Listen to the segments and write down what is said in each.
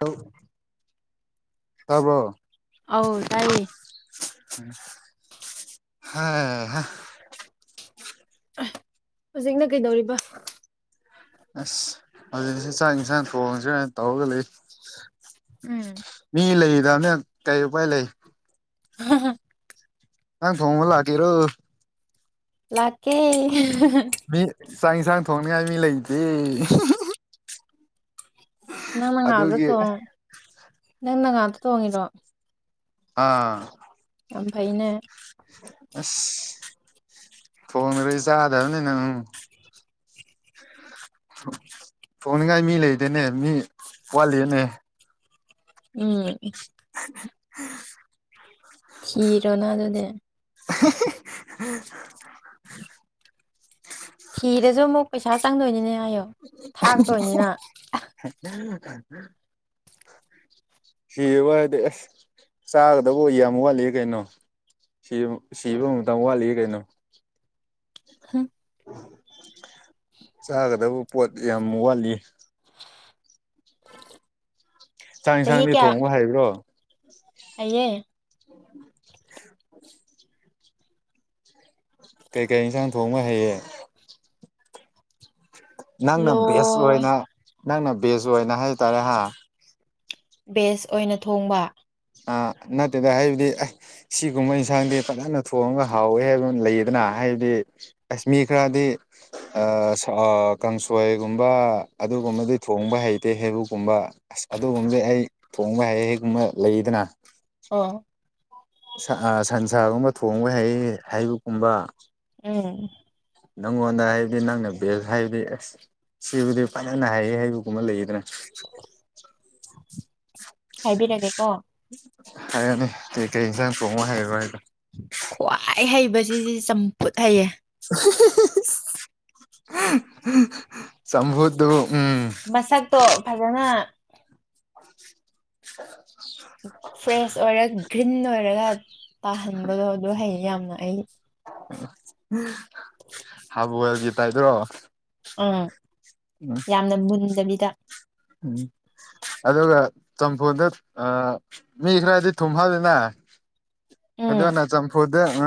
ꯂꯧ ꯇꯕꯔꯣ ꯑꯧ ꯇꯥꯏꯌꯦ ꯍ ꯍꯥ ꯍꯧꯖꯤꯛꯅ ꯀꯩꯗꯧꯔꯤꯕ ꯑꯁ ꯍꯧꯖꯤꯛꯅꯁꯦ ꯆꯥꯛ ꯌꯦꯟꯁꯥꯡ ꯊꯣꯡꯁꯤꯅ ꯇꯧꯔꯒ ꯂꯩ ꯎꯝ ꯃꯤ ꯂꯩꯗꯕꯅꯤ ꯀꯔꯤ ꯎꯄꯥꯏ ꯂꯩ [unintelligible] ꯢꯟꯁꯥꯛ ꯊꯣꯛꯕ ꯂꯥꯛꯀꯦꯔꯣ ꯂꯥꯛꯀꯦ ꯃꯤ ꯆꯥꯛ ꯏꯟꯁꯥꯡ ꯊꯣꯡꯅꯤꯉꯥꯏ ꯃꯤ ꯂꯩꯇꯦ ꯅꯪꯅ ꯉꯥꯛꯇ ꯑꯗꯨꯒꯤ ꯊꯣꯛꯉꯣ ꯅꯪꯅ ꯉꯥꯛꯇ ꯊꯣꯛꯉꯤꯔꯣ ꯑꯥ ꯌꯥꯝ ꯐꯩꯅꯦ ꯑꯁ ꯊꯣꯛꯗꯔꯗꯤ ꯆꯥꯗꯕꯅꯤꯅ ꯎꯝ ꯊꯣꯡꯅꯤꯡꯉꯥꯏ ꯃꯤ ꯂꯩꯗꯅꯦ ꯃꯤ ꯋꯥꯠꯂꯤꯅꯦ ꯎꯝ [unintelligible] ꯊꯤꯔꯣꯅꯦ ꯑꯗꯨꯗꯤ [unintelligible] ꯊꯤꯔꯁꯨ ꯑꯃꯨꯛ ꯄꯩꯁꯥ ꯆꯪꯗꯣꯏꯅꯤꯅꯦ ꯍꯥꯏꯌꯣ ꯊꯥꯛꯇꯣꯏꯅꯤꯅ ꯍ [unintelligible] ꯁꯤꯕ ꯍꯥꯏꯗꯤ ꯑꯁ ꯆꯥꯒꯗꯕ ꯌꯥꯝ ꯋꯥꯠꯂꯤ ꯀꯩꯅꯣ ꯁꯤ ꯁꯤꯕ ꯑꯃꯛꯇꯪ ꯋꯥꯠꯂꯤ ꯀꯩꯅꯣ ꯍꯨꯝ ꯆꯥꯒꯗꯕ ꯄꯣꯠ ꯌꯥꯝ ꯋꯥꯠꯂꯤ ꯆꯥꯛ ꯌꯦꯟꯁꯥꯡꯗꯤ ꯊꯣꯡꯕ ꯍꯥꯏꯕ꯭ꯔꯣ ꯑꯩꯌꯦ [unintelligible] ꯀꯩꯀꯩ ꯌꯦꯟꯁꯥꯡ ꯊꯣꯡꯕ ꯍꯩꯌꯦ ꯅꯪꯅ ꯕꯦꯁ ꯂꯣꯏ ꯑꯣꯏꯅ ꯅꯪꯅ ꯕꯦꯁ ꯑꯣꯏꯅ ꯍꯥꯏꯇꯥꯔꯦ ꯍꯥ ꯕꯦꯁ ꯑꯣꯏꯅ ꯊꯣꯡꯕ ꯑ ꯅꯠꯇꯦꯗ ꯍꯥꯏꯗꯤ ꯁꯤꯒꯨꯝꯕ ꯌꯦꯟꯁꯥꯡꯗꯤ ꯐꯖꯅ ꯊꯣꯡꯉꯒ ꯍꯥꯎꯋꯦ ꯍꯥꯏꯕ ꯑꯃ ꯂꯩꯌꯦꯗꯅ ꯍꯥꯏꯕꯗꯤ ꯑꯁꯃꯤ ꯈꯔꯗꯤ ꯑ ꯀꯥꯡꯁꯣꯏꯒꯨꯝꯕ ꯑꯗꯨꯒꯨꯝꯕꯗꯤ ꯊꯣꯡꯕ ꯍꯩꯇꯦ ꯍꯩꯕꯀꯨꯝꯕ ꯑꯁ ꯑꯗꯨꯒꯨꯝꯕꯗꯤ ꯑꯩ ꯊꯣꯡꯕ ꯍꯩ ꯍꯩꯑꯦꯒꯨꯝꯕ ꯂꯩꯗꯅ ꯑꯣ ꯑ ꯁꯟꯁꯥꯒꯨꯝꯕ ꯊꯣꯡꯕ ꯍꯩ ꯍꯩꯕꯨꯀꯨꯝꯕ ꯎꯝ ꯅꯪꯉꯣꯟꯗ ꯍꯥꯏꯕꯗꯤ ꯅꯪꯅ ꯕꯦꯁ ꯍꯥꯏꯕꯗꯤ ꯑꯁ ꯁꯤꯕꯨꯗꯤ ꯐꯖꯅꯍꯩꯌꯦ ꯍꯥꯏꯕꯒꯨꯝꯕ ꯂꯩꯌꯦꯗꯅ ꯍꯥꯏꯕꯤꯔꯒꯦ ꯀꯣ ꯍꯥꯏꯌꯣꯅꯦ ꯀꯩ ꯀꯩ ꯏꯟꯁꯥꯡ ꯊꯣꯡꯕ ꯍꯩꯕ꯭ꯔꯥ ꯍꯥꯏꯗꯣ ꯈ꯭ꯋꯥꯏ ꯍꯩꯕꯁꯤ ꯁꯤ ꯆꯝꯐꯨꯠ ꯍꯩꯌꯦ ꯆꯠꯐꯨꯠꯇꯨꯕꯨ ꯎꯝ ꯃꯁꯛꯇꯣ ꯐꯖꯅ [unintelligible] ꯄ꯭ꯔꯦꯁ ꯑꯣꯏꯔ ꯒ꯭ꯔꯤꯟ ꯑꯣꯏꯔꯒ ꯇꯥꯍꯟꯕꯗꯣ ꯑꯗꯣ ꯍꯩꯌꯦ ꯌꯥꯝꯅ ꯑꯩ ꯍꯥꯞꯕ꯭ꯋꯦꯜꯒꯤ ꯇꯥꯏꯄꯗꯔꯣ ꯎꯝ ꯌꯥꯝꯅ ꯃꯨꯟꯗꯕꯤꯗ ꯎꯝ ꯑꯗꯨꯒ ꯆꯝꯐꯨꯠꯗ ꯑꯥ ꯃꯤ ꯈꯔꯗꯤ ꯊꯨꯝ ꯍꯥꯞꯄꯤꯅ ꯎꯝ ꯑꯗꯨꯅ ꯆꯝꯐꯨꯠꯗ ꯑ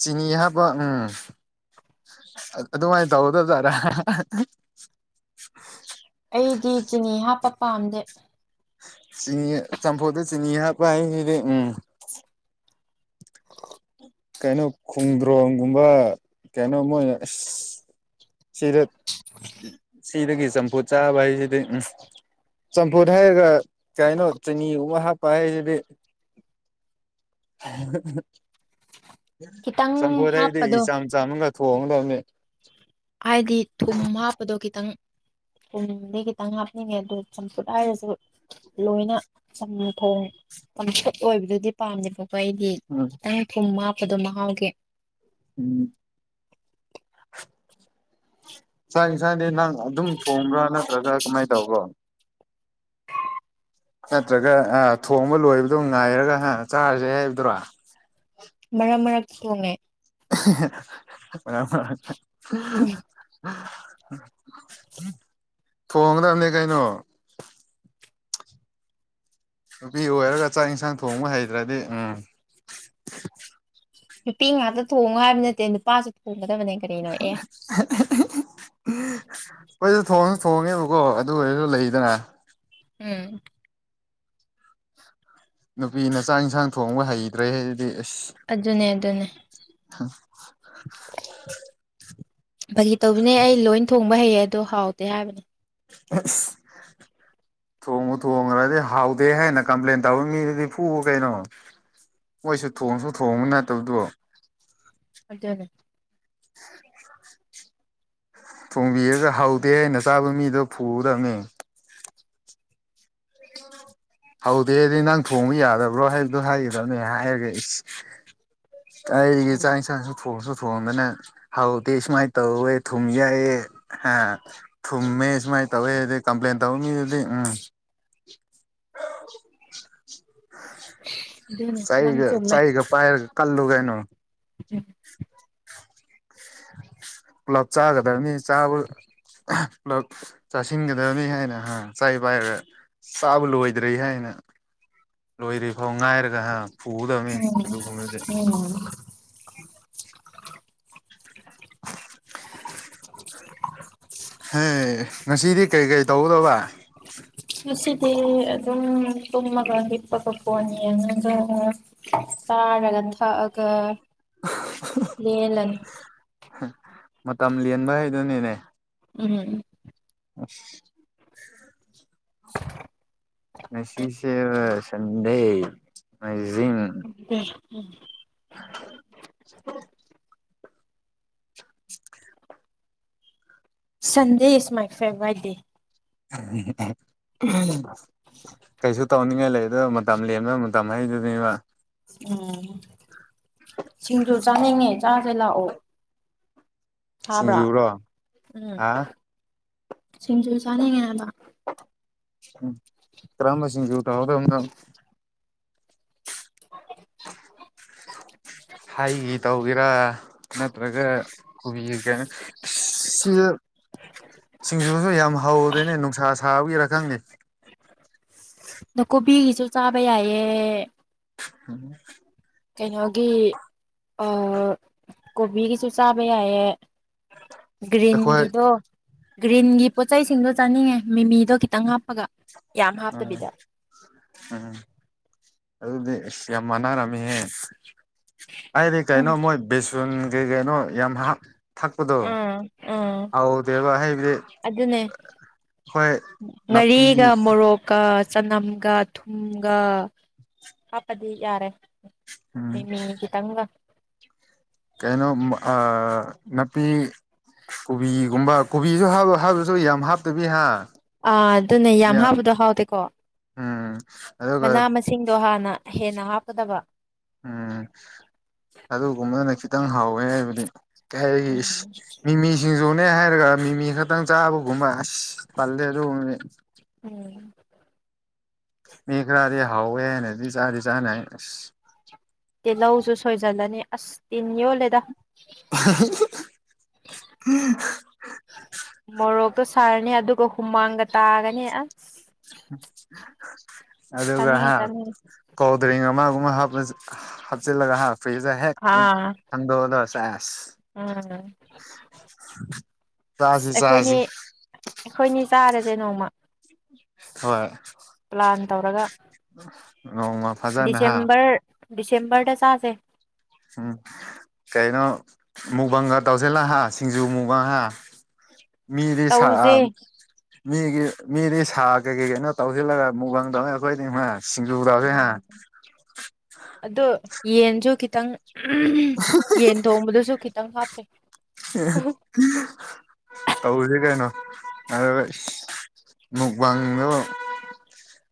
ꯆꯤꯅꯤ ꯍꯥꯞꯄ ꯎꯝ ꯑ ꯑꯗꯨꯃꯥꯏꯅ ꯇꯧꯒꯗꯕ ꯖꯥꯔꯥ [unintelligible] ꯑꯩꯗꯤ ꯆꯤꯅꯤ ꯍꯥꯞꯄ ꯄꯥꯝꯗꯦ ꯆꯤꯅꯤ ꯆꯝꯐꯨꯠꯗ ꯆꯤꯅꯤ ꯍꯥꯞꯄꯥ ꯍꯥꯏꯖꯤꯗꯤ ꯎꯝ ꯀꯩꯅꯣ ꯈꯣꯡꯗ꯭ꯔꯣꯡꯒꯨꯝꯕ ꯀꯩꯅꯣ ꯃꯣꯏꯅ ꯑꯁ ꯁꯤꯗ ꯁꯤꯗꯒꯤ ꯆꯝꯐꯨꯠ ꯆꯥꯕ ꯍꯥꯏꯁꯤꯗꯤ ꯎꯝ ꯆꯝꯐꯨꯠ ꯍꯥꯏꯔꯒ ꯀꯩꯅꯣ ꯆꯤꯅꯤꯒꯨꯝꯕ ꯍꯥꯞꯄ ꯍꯥꯏꯁꯤꯗꯤ ꯈꯤꯇꯪ ꯆꯝꯐꯨꯠꯗ ꯍꯥꯏꯕꯗꯤ ꯍꯥꯞꯄꯗꯣ ꯏꯆꯝ ꯆꯝꯃꯒ ꯊꯣꯡꯉꯗꯕꯅꯤ ꯍꯥꯏꯗꯤ ꯊꯨꯝ ꯍꯥꯞꯄꯗꯣ ꯈꯤꯇꯪ ꯊꯨꯝꯗꯤ ꯈꯤꯇꯪ ꯍꯥꯞꯅꯤꯡꯉꯦ ꯑꯗꯨ ꯆꯝꯐꯨꯠ ꯍꯥꯏꯔꯁꯨ ꯂꯣꯏꯅ ꯆꯝꯅ ꯊꯣꯡ [unintelligible] ꯑꯣꯏꯕꯗꯨꯗꯤ ꯄꯥꯝꯗꯦꯕꯀꯣ ꯑꯩꯗꯤ ꯎꯝ ꯑꯩꯅ ꯊꯨꯝ ꯍꯥꯞꯄꯗꯣ ꯃꯍꯥꯎꯒꯤ ꯎꯝ ꯆꯥꯛ ꯏꯟꯁꯥꯡꯗꯤ ꯅꯪ ꯑꯗꯨꯝ ꯊꯣꯡꯕ꯭ꯔꯥ ꯅꯠꯇ꯭ꯔꯒ ꯀꯃꯥꯏꯅ ꯇꯧꯕ꯭ꯔꯣ ꯅꯠꯇ꯭ꯔꯒ ꯑꯥ ꯊꯣꯡꯕ ꯂꯣꯏꯕꯗꯣ ꯉꯥꯏꯔꯒ ꯍꯥ ꯆꯥꯔꯁꯦ ꯍꯥꯏꯕꯗꯨꯔꯥ ꯃꯔꯛ ꯃꯔꯛꯇ ꯊꯣꯡꯉꯦ ꯃꯔꯛ ꯃꯔꯛꯇ ꯊꯣꯡꯒꯗꯕꯅꯦ ꯀꯩꯅꯣ ꯅꯨꯄꯤ ꯑꯣꯏꯔꯒ ꯆꯥꯛ ꯏꯟꯁꯥꯡ ꯊꯣꯡꯕ ꯍꯩꯇ꯭ꯔꯗꯤ ꯎꯝ ꯅꯨꯄꯤ ꯉꯥꯛꯇ ꯊꯣꯡꯉꯣ ꯍꯥꯏꯕ ꯅꯠꯇꯦ ꯅꯨꯄꯥꯁꯨ ꯊꯣꯡꯒꯗꯕꯅꯦ ꯀꯔꯤꯅꯣ ꯑꯦ [inaudible] ꯑꯈꯣꯏꯁꯨ ꯊꯣꯡꯉꯁꯨ ꯊꯣꯡꯉꯦꯕꯀꯣ ꯑꯗꯨ ꯑꯣꯏꯔꯁꯨ ꯂꯩꯗꯅ ꯎꯝ ꯅꯨꯄꯤꯅ ꯆꯥꯛ ꯏꯟꯁꯥꯡ ꯊꯣꯡꯕ ꯍꯩꯇ꯭ꯔꯦ ꯍꯥꯏꯗꯨꯗꯤ ꯏꯁ ꯑꯗꯨꯅꯦ ꯑꯗꯨꯅꯦ [unintelligible] ꯐꯥꯒꯤ ꯇꯧꯕꯅꯦ ꯑꯩ ꯂꯣꯏꯅ ꯊꯣꯡꯕ ꯍꯩꯌꯦ ꯑꯗꯣ ꯍꯥꯎꯇꯦ ꯍꯥꯏꯕꯅꯦ [unintelligible] ꯊꯣꯡꯕꯨ ꯊꯣꯡꯈ꯭ꯔꯗꯤ ꯍꯥꯎꯗꯦ ꯍꯥꯏꯅ ꯀꯝꯄ꯭ꯂꯦꯟ ꯇꯧꯕ ꯃꯤꯗꯨꯗꯤ ꯐꯨ ꯀꯩꯅꯣ ꯃꯣꯏꯁꯨ ꯊꯣꯡꯁꯨ ꯊꯣꯡꯕ ꯅꯠꯇꯕꯗꯣ ꯑꯗꯨꯅꯦ ꯊꯣꯡꯕꯤꯔꯒ ꯍꯥꯎꯇꯦ ꯍꯥꯏꯅ ꯆꯥꯕ ꯃꯤꯗꯣ ꯐꯨꯒꯗꯕꯅꯦ [unintelligible] ꯍꯧꯗꯦꯗꯤ ꯅꯪ ꯊꯣꯡꯕ ꯌꯥꯗꯕ꯭ꯔꯣ ꯍꯥꯏꯕꯗꯣ ꯍꯥꯏꯒꯗꯕꯅꯦ ꯍꯥꯏꯔꯒꯦ ꯑꯩꯁ ꯑꯩꯗꯤ ꯎꯝ ꯆꯥꯡ ꯏꯟꯁꯥꯛꯁꯨ ꯊꯣꯡꯁꯨ ꯊꯣꯡꯗꯅ ꯍꯥꯎꯗꯦ ꯁꯨꯃꯥꯏꯅ ꯇꯧꯋꯦ ꯊꯨꯝ ꯌꯥꯏꯑ ꯍ ꯊꯨꯝꯃꯦ ꯁꯨꯃꯥꯏꯅ ꯇꯧꯋꯦ ꯑꯗꯨꯗꯩ ꯀꯝꯄ꯭ꯂꯦꯟ ꯇꯧꯅꯤ ꯎꯝ [unintelligible] [unintelligible] ꯅꯪ ꯆꯍꯤꯒ ꯆꯍꯤꯒ ꯄꯥꯏꯔꯒ ꯀꯜꯂꯨꯒꯩꯅꯣ ꯎꯝ ꯄꯨꯂꯞ ꯆꯥꯒꯗꯕꯅꯤ ꯆꯥꯕ ꯄꯨꯂꯞ ꯆꯥꯁꯤꯟꯒꯗꯕꯅꯤ ꯍꯥꯏꯅ ꯍ ꯆꯩ ꯄꯥꯏꯔꯒ ꯆꯥꯕ ꯂꯣꯏꯗ꯭ꯔꯦ ꯍꯥꯏꯅ ꯂꯣꯏꯗꯔꯤ ꯐꯥꯎ ꯉꯥꯏꯔꯒ ꯍ ꯐꯨꯒꯗꯕꯅꯤ ꯎꯝ ꯑꯗꯨꯒꯨꯝꯕꯗꯤ ꯎꯝ ꯍꯦ ꯉꯁꯤꯗꯤ ꯀꯔꯤ ꯀꯔꯤ ꯇꯧꯒꯗꯕ ꯉꯁꯤꯗꯤ ꯑꯗꯨꯝ ꯇꯨꯝꯃꯒ ꯍꯤꯞꯄꯒ ꯐꯣꯟ ꯌꯦꯛꯉꯥꯒ ꯆꯥꯔꯒ ꯊꯛꯑꯒ ꯂꯦꯜꯂꯅꯤ ꯃꯇꯝ ꯂꯦꯟꯕ ꯍꯥꯏꯗꯨꯅꯤꯅꯦ ꯎꯝ ꯑꯁ ꯉꯁꯤꯁꯦ ꯁꯟꯗꯦ ꯅꯣꯛꯃꯥꯏꯖꯤꯛ [unintelligible] ꯎꯝ [unintelligible] [unintelligible] ꯁꯟꯗꯦ ꯏꯁ ꯃꯥꯏ ꯐꯦꯕꯥꯏ ꯗꯦ [unintelligible] ꯀꯩꯁꯨ ꯇꯧꯅꯤꯡꯉꯥꯏ ꯂꯩ ꯗꯣ ꯃꯇꯝ ꯂꯦꯝꯗꯅ ꯃꯇꯝ ꯍꯩꯗꯨꯅꯦꯕ ꯎꯝ ꯁꯤꯡꯖꯨ ꯆꯥꯅꯤꯡꯉꯦ ꯆꯥꯁꯦ ꯂꯥꯛꯑꯣ ꯊꯥꯕ꯭ꯔꯥ ꯁꯤꯡꯖꯨꯔꯣ ꯎꯝ ꯍꯥ ꯁꯤꯡꯖꯨ ꯆꯥꯅꯤꯡꯉꯦ ꯍꯥꯏꯕ ꯀ꯭ꯔꯝꯕ ꯁꯤꯡꯖꯨ ꯇꯧꯒꯗꯧꯅꯣ [unintelligible] ꯍꯥꯏꯒꯤ ꯇꯧꯒꯦꯔꯥ ꯅꯠꯇ꯭ꯔꯒ ꯀꯨꯕꯤꯒꯤ ꯀꯩꯅꯣꯅ ꯑꯁꯤ ꯁꯤꯡꯖꯨꯁꯨ ꯌꯥꯝ ꯍꯧꯗꯦꯅꯦ ꯅꯨꯡꯁꯥ ꯁꯥꯕꯒꯤꯔꯥ ꯈꯪꯗꯦ ꯑꯗꯣ ꯀꯣꯕꯤꯒꯤꯁꯨ ꯆꯥꯕ ꯌꯥꯏꯌꯦ [unintelligible] ꯀꯩꯅꯣꯒꯤ ꯑ ꯀꯣꯕꯤꯒꯤꯁꯨ ꯆꯥꯕ ꯌꯥꯏꯌꯦ ꯑꯩꯈꯣꯏ ꯒ꯭ꯔꯤꯟꯒꯤꯗꯣ ꯒ꯭ꯔꯤꯟꯒꯤ ꯄꯣꯠꯆꯩꯁꯤꯡꯗꯣ ꯆꯥꯅꯤꯡꯉꯦ ꯃꯤꯃꯤꯗꯣ ꯈꯤꯇꯪ ꯍꯥꯞꯄꯒ ꯌꯥꯝ ꯎꯝ ꯍꯥꯞꯇꯕꯤꯗ ꯎꯝ ꯑꯗꯨꯗꯤ ꯑꯁ ꯌꯥꯝ ꯃꯥꯟꯅꯔꯝꯃꯤꯍꯦ ꯑꯩꯗꯤ ꯎꯝ ꯀꯩꯅꯣ ꯃꯣꯏ ꯕꯤꯁ ꯨꯊꯨꯝ ꯀꯩꯀꯩꯅꯣ ꯌꯥꯝ ꯍꯞꯄ ꯑꯥ ꯑꯥ ꯍꯥꯏꯕꯗꯤ ꯑꯗꯨꯅꯦ ꯑꯩꯈꯣꯏ ꯅꯥꯄꯤ ꯉꯥꯔꯤꯒ ꯃꯣꯔꯣꯛ ꯀ ꯆꯅꯝꯒ ꯊꯨꯝꯒ ꯍꯥꯞꯄꯗꯤ ꯌꯥꯔꯦ ꯎꯝ ꯃꯤꯃꯤ ꯈꯤ ꯇꯪꯒ ꯀꯩꯅꯩꯅꯣ ꯅꯄꯤ ꯀꯣꯕꯤꯒꯨꯝꯕ ꯀꯣꯕꯤꯁꯨ ꯍꯥꯕꯥ ꯍꯥꯕꯁꯨ ꯌꯥꯝ ꯍꯥꯞꯇꯕꯤ ꯍꯥ ꯑ ꯑꯗꯨꯅꯦ ꯌꯥꯝ ꯍꯥꯕꯗꯣ ꯍꯥꯎꯗꯦꯀꯣ ꯎꯝ ꯑꯗꯨꯒ ꯃꯅꯥ ꯃꯁꯤꯡꯗꯣ ꯍꯥꯟꯅ ꯍꯦꯟꯅ ꯍꯥꯞꯀꯗꯕ ꯎꯝ ꯑꯗꯨꯒꯨꯝꯕꯗꯅ ꯈꯤꯇꯪ ꯍꯥꯎꯋꯦ ꯍꯥꯏꯕꯗꯤ ꯀꯩ ꯍꯥꯏꯒꯤ ꯎꯝ ꯃꯤꯃꯤ ꯁꯤꯡꯖꯅꯦ ꯍꯥꯏꯔꯒ ꯃꯤꯃꯤ ꯈꯛꯇꯪ ꯆꯥꯕꯒꯨꯝꯕ ꯑꯁ ꯇꯥꯜꯂꯦ ꯑꯗꯨꯒꯨꯝꯕꯗꯤ ꯎꯝ ꯃꯤ ꯈꯔꯗꯤ ꯍꯥꯎꯋꯦ ꯍꯥꯏꯅꯗꯤ꫰ꯆꯥꯗꯤ ꯆꯥꯅꯩ ꯏꯁ ꯇꯤꯜꯍꯧꯁꯨ ꯁꯣꯏꯖꯜꯂꯅꯤ ꯑꯁ ꯇꯤꯟ ꯌꯣꯜꯂꯦꯗ [unintelligible] ꯃꯣꯔꯣꯛꯇꯣ ꯁꯥꯔꯅꯤ ꯑꯗꯨꯒ ꯍꯨꯃꯥꯡꯒ ꯇꯥꯒꯅꯤ ꯑꯁ ꯑꯗꯨꯗꯒ ꯆꯥꯅꯤꯡꯉꯦ ꯍꯥ ꯆꯥꯅꯤꯡꯉꯦ ꯀꯣꯜ ꯗ꯭ꯔꯤꯡ ꯑꯃꯒꯨꯝꯕ ꯍꯥꯞꯆꯤꯜꯂꯒ ꯐ꯭ꯔꯤꯖꯇ ꯍꯦꯛ ꯑꯥ ꯊꯥꯡꯗꯣꯛꯑꯗꯧ ꯆꯦ ꯎꯝ ꯆꯥꯁꯤ ꯑ ꯑꯩꯈꯣꯏꯅꯤ ꯆꯥꯁꯤ ꯑꯩꯈꯣꯏꯅꯤ ꯆꯥꯔꯁꯦ ꯅꯣꯡꯃ ꯍꯣꯏ ꯄ꯭ꯂꯥꯟ ꯇꯧꯔꯒ ꯅꯣꯡꯃ ꯐꯖꯅ ꯍꯥ ꯗꯤꯁꯦꯝꯕꯔ ꯗꯤꯁꯦꯝꯕꯔꯗ ꯆꯥꯁꯦ ꯑꯣꯝ ꯀꯩꯅꯣ ꯃꯨꯕꯥꯡꯒ ꯇꯧꯖꯦꯂ ꯍꯥ ꯁꯤꯡꯖꯨ ꯃꯨꯕꯥꯡꯥ ꯃꯤꯗꯤ ꯇꯧꯔꯨꯁꯦ ꯁꯥ ꯃꯤꯒꯤ ꯃꯤꯗꯤ ꯁꯥ ꯀꯩ ꯀꯩ ꯀꯩꯅꯣ ꯇꯧꯁꯤꯜꯂꯒ ꯃꯨꯛꯃꯪꯗꯧꯅꯤ ꯑꯩꯈꯣꯏꯗꯤ ꯁꯤꯡꯖꯨ ꯇꯧꯁꯦ ꯎꯝ ꯑꯗꯣ ꯌꯦꯟꯁꯨ ꯈꯤꯇꯪ [unintelligible] ꯌꯦꯟ ꯊꯣꯡꯕꯗꯁꯨ ꯈꯤꯇꯪ ꯍꯥꯞꯆꯩ [unintelligible] ꯇꯧꯁꯦ ꯀꯩꯅꯣ ꯑꯗꯨꯒꯥ ꯃꯨꯛꯕꯥꯥꯡꯗꯣ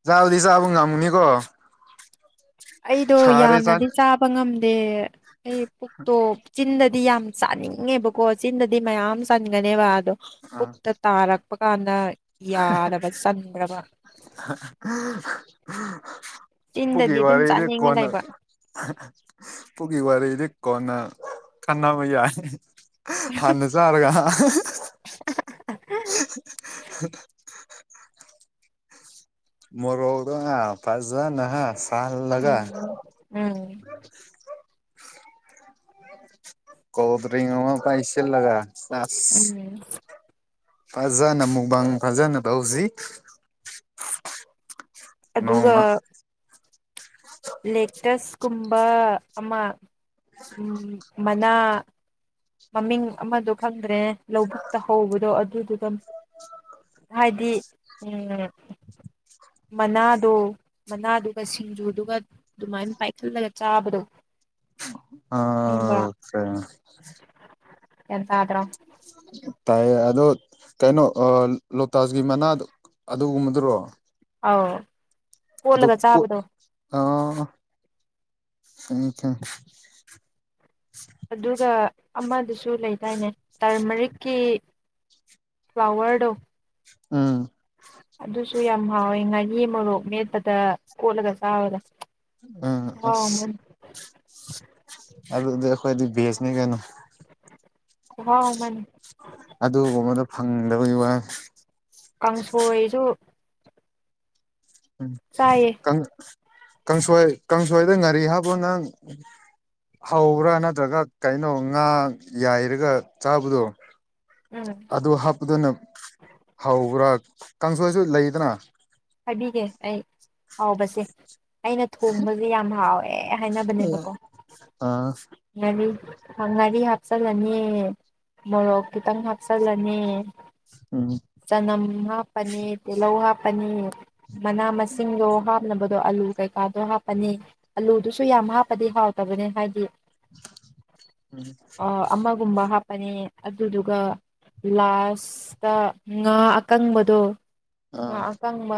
ꯆꯥꯕꯗꯤ ꯆꯥꯕ ꯉꯝꯃꯨꯅꯤꯀꯣ ꯑꯩꯗꯣ ꯆꯥꯛ ꯌꯥꯝꯅꯗꯤ ꯆꯥꯕ ꯉꯝꯗꯦ ꯑꯩ ꯄꯨꯛꯇꯣꯞ ꯆꯤꯟꯗꯗꯤ ꯌꯥꯝ ꯆꯥꯅꯤꯡꯉꯦꯕꯀꯣ ꯆꯤꯟꯗꯗꯤ ꯃꯌꯥꯝ ꯆꯟꯒꯅꯦꯕ ꯑꯗꯣ ꯑꯥ ꯄꯨꯛꯇ ꯇꯥꯔꯛ ꯇꯔꯛꯄ ꯀꯥꯟꯗ ꯌꯥꯗꯕ ꯆꯟꯗ꯭ꯔꯕ ꯄꯨꯛꯒꯤ ꯆꯤꯟꯗꯗꯤ ꯑꯗꯨꯝ ꯋꯥꯔꯗꯤ ꯆꯥꯅꯤꯡꯉ ꯀꯣꯟꯅꯥ ꯂꯩꯕ ꯄꯨꯒꯤ ꯋꯥꯔꯤꯔꯗꯤ ꯀꯣꯟꯅ ꯈꯥꯟꯅꯥꯕꯥ ꯌꯥꯏ ꯍꯥꯟꯅ ꯆꯥꯔꯒ [unintelligible] ꯃꯔꯣꯛ ꯇꯣ ꯍꯥ ꯐꯥꯖꯅ ꯍꯥ ꯁꯥꯍꯜꯂꯒ ꯎꯝ ꯎꯝ ꯀꯣꯜ ꯗꯔꯤꯟ꯭ꯛ ꯑꯃ ꯄꯩꯁꯂꯒ ꯎꯝ ꯐꯖꯅ ꯃꯨꯛꯕꯥꯡ ꯐꯖꯅ ꯇꯧꯁꯤ [unintelligible] ꯑꯗꯨꯒ ꯂꯦꯛꯇꯁ ꯀꯨꯝꯕ ꯑꯃ ꯃꯅꯥ ꯃꯃꯤꯡ ꯑꯃꯗꯣ ꯐꯪꯗ꯭ꯔꯦ ꯂꯧꯕꯨꯛꯇ ꯍꯧꯕꯗꯣ ꯑꯗꯨꯗꯨꯒ ꯍꯥꯏꯗꯤ ꯎꯝ ꯃꯅꯥꯗꯣ ꯃꯅꯥꯗꯨꯒ ꯁꯤꯡꯖꯨꯗꯨꯒ ꯑꯗꯨꯃꯥꯏꯅ ꯄꯥꯏꯈꯠꯂꯒ ꯆꯥꯕꯗꯣ ꯈꯪꯕ꯭ꯔꯥ ꯑꯑꯥ [unintelligible] ꯌꯥꯟ ꯇꯥꯗ꯭ꯔꯣ ꯇꯥꯏꯌꯦ ꯑꯗꯣ ꯀꯩꯅꯣ ꯑ ꯂꯣꯇꯥꯖꯒꯤ ꯃꯅꯥꯗꯨ ꯑꯗꯨꯒꯨꯝꯕꯗꯨꯔꯣ ꯑꯥꯎ ꯑꯗꯨ ꯀꯣꯠ ꯑ ꯈꯪꯏ ꯈꯪ ꯑꯗꯨꯒ ꯑꯃꯥꯗꯨꯁꯨ ꯂꯩꯗꯥꯏꯅꯦ ꯇꯔꯃꯔꯤꯛꯀꯤ ꯐ꯭ꯂꯥꯋꯔꯗꯣ ꯎꯝ ꯑꯗꯨꯁꯨ ꯌꯥꯝ ꯍꯥꯎꯋꯦ ꯉꯥꯔꯤ ꯃꯣꯔꯣꯛ ꯃꯦꯠꯄꯗ ꯀꯣꯠꯂꯒ ꯆꯥꯕꯗꯣ ꯎꯝ ꯑꯁ ꯑꯗꯨꯗꯤ ꯑꯩꯈꯣꯏꯗꯤ ꯕꯦꯖꯅꯤ ꯀꯩꯅꯣ ꯈꯨꯍꯥꯎ ꯑꯃꯥꯅꯤ ꯑꯗꯨꯒꯨꯝꯕꯗꯣ ꯐꯪꯗꯕꯒꯤ ꯋꯥ ꯀꯥꯡꯁꯣꯏꯁꯨ ꯎꯝ ꯆꯥꯏꯌꯦ ꯀꯪ ꯀꯥꯡꯁꯣꯏ ꯀꯥꯡꯁꯣꯏꯗ ꯉꯥꯔꯤ ꯍꯥꯞꯕꯣ ꯅꯪ ꯍꯧꯕ꯭ꯔꯥ ꯅꯠꯇ꯭ꯔꯒ ꯀꯩꯅꯣ ꯉꯥ ꯌꯥꯏꯔꯒ ꯆꯥꯕꯗꯣ ꯎꯝ ꯑꯗꯨ ꯍꯥꯞꯄꯗꯨꯅ ꯍꯧꯕ꯭ꯔꯥ ꯀꯥꯡꯁꯣꯏꯁꯨ ꯂꯩꯗꯅ ꯍꯥꯏꯕꯤꯒꯦ ꯑꯩ ꯍꯥꯎꯕꯁꯦ ꯑꯩꯅ ꯊꯣꯡꯕꯖꯦ ꯌꯥꯝ ꯍꯥꯎ ꯋꯦ ꯑ ꯍꯥꯏꯅꯕꯅꯦꯕꯀꯣ ꯪ ꯉꯔꯤ ꯍꯪ ꯉꯔꯤ ꯍꯥꯞꯆꯜꯂꯅꯤ ꯃꯣꯔꯣꯛ ꯈꯤꯇꯪ ꯍꯥꯞꯆꯤꯜꯂꯅꯤ ꯎꯝ ꯆꯅꯝ ꯍꯥꯞꯄꯅꯤ ꯇꯤꯜꯍꯧ ꯍꯥꯞꯄꯅꯤ ꯃꯅꯥ ꯃꯁꯤꯡꯗꯣ ꯍꯥꯞ ꯅꯕꯗꯣ ꯑꯥꯂꯨ ꯀꯩꯀꯥꯗꯣ ꯂꯣꯏ ꯍꯥꯞꯄꯅꯤ ꯑꯂꯨꯗꯨꯁꯨ ꯌꯥꯝ ꯍꯥꯞꯄꯗꯤ ꯍꯥꯎꯇꯕꯅꯦ ꯍꯥꯏꯗꯤ [inaudible] ꯑꯃꯥꯒꯨꯝꯕ ꯍꯥꯞꯄꯅꯦ ꯑꯗꯨꯗꯨꯒ ꯂꯥꯁꯇ ꯉꯥ ꯑꯀꯪꯕꯗꯣ ꯉꯥ ꯑꯥ ꯑꯀꯪꯕ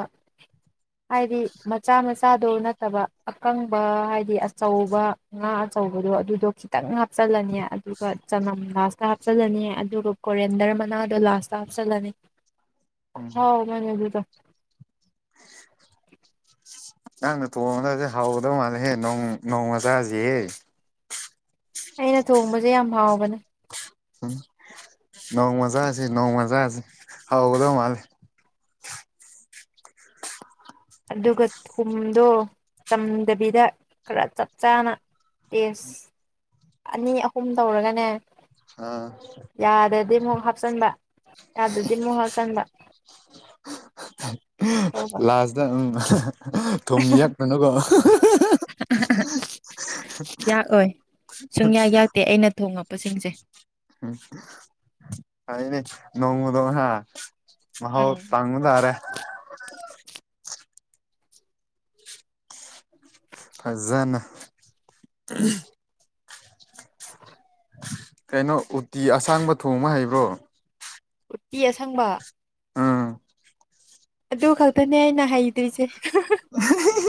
ꯍꯥꯏꯗꯤ ꯃꯆꯥ ꯃꯆꯥꯗꯣ ꯅꯠꯇꯕ ꯑꯀꯪꯕ ꯍꯥꯏꯗꯤ ꯑꯆꯧꯕ ꯉꯥ ꯑꯆꯧꯕꯗꯣ ꯑꯗꯨꯗꯣ ꯈꯤꯇꯪ ꯍꯥꯞꯆꯜꯂꯅꯤ ꯑꯗꯨꯒ ꯆꯅꯝ ꯂꯥꯁꯇ ꯍꯥꯞꯆꯜꯂꯅꯤ ꯑꯗꯨꯒ ꯀꯣꯔꯦꯟꯗꯔ ꯃꯅꯥꯗꯣ ꯂꯥꯁꯇ ꯍꯥꯞꯆꯜꯂꯅꯤ [inaudible] ꯎꯝ ꯍꯧ ꯃꯥꯅꯦ ꯑꯗꯨꯗꯣ ꯅꯪꯅ ꯇꯣꯡꯉꯒꯖꯦ ꯍꯥꯎꯒꯗꯧ ꯃꯥꯜꯂꯦꯍꯦ ꯅꯣꯡ-ꯅꯣꯡꯃ ꯆꯥꯖꯤꯌꯦ ꯑꯩꯅ ꯊꯣꯡꯕꯖꯦ ꯌꯥꯝ ꯍꯥꯎꯕꯅꯦ ꯎꯝ ꯅꯣꯡꯃ ꯆꯥꯖꯦ ꯅꯣꯡꯃ ꯖꯥꯖꯦ ꯍꯥꯎꯒꯗꯧ ꯃꯥꯜꯂꯦ ꯑꯗꯨꯒ ꯊꯨꯝꯗꯣ ꯆꯝꯗꯕꯤꯗ ꯈꯔ ꯆꯞ ꯆꯥꯅ ꯑꯦꯁ ꯑꯅꯤ ꯑꯍꯨꯝ ꯇꯧꯔꯒꯅꯦ ꯑ ꯌꯥꯗꯗꯤ ꯃꯨꯛ ꯍꯥꯞꯆꯟꯕ ꯌꯥꯗꯗꯤ ꯃꯨꯛ ꯍꯥꯞꯆꯟꯕ ꯇꯧꯕ ꯂꯥꯁꯇ ꯎꯝ ꯊꯨꯝ ꯌꯛꯅꯅꯕ ꯌꯥꯛꯑꯣꯏ ꯁꯨꯡꯌꯥ ꯌꯥꯛꯇꯦ ꯑꯩꯅ ꯊꯣꯡꯉꯛꯄꯁꯤꯡꯖꯦ ꯎꯝ ꯐꯥꯌꯦꯅꯦ ꯅꯣꯡꯃꯗꯣ ꯍꯥ ꯃꯍꯥꯎ ꯎꯝ ꯇꯪꯕ ꯇꯥꯔꯦ ꯐꯖꯅ ꯀꯩꯅꯣ ꯎꯇꯤ ꯑꯁꯥꯡꯕ ꯊꯣꯡꯕ ꯍꯩꯕ꯭ꯔꯣ ꯎꯇꯤ ꯑꯁꯪꯕ ꯑꯥ ꯑꯗꯨ ꯈꯛꯇꯅꯦ ꯑꯩꯅ ꯍꯩꯇ꯭ꯔꯤꯁꯦ [unintelligible]